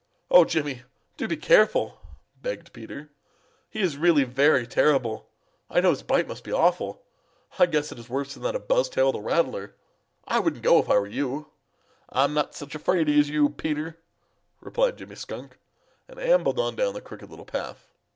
"Oh, Jimmy, do be careful!" begged Peter. "He really is very terrible. I know his bite must be awful. I guess it is worse than that of Buzztail the Rattler. I wouldn't go if I were you." "I'm not such a fraidy as you, Peter," replied Jimmy Skunk, and ambled on down the Crooked Little Path.